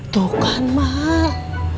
tuh kan emak